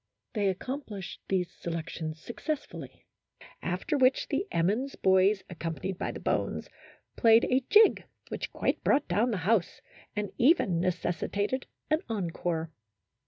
They accom plished these selections successfully, after which the Emmons boys, accompanied by the bones, played a jig which quite brought down the house, and even necessitated an encore.